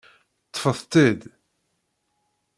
Ṭṭfet-t-id!